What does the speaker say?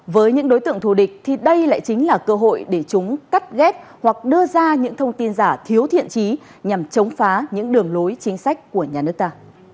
với những đối tượng thù địch thì đây lại chính là cơ hội để chúng cắt ghép hoặc đưa ra những thông tin giả thiếu thiện trí nhằm chống phá những đường lối chính sách của nhà nước ta